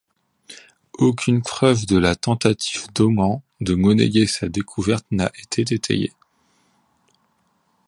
Aucune preuve de la tentative d'Öhman de monnayer sa découverte n'a été étayée.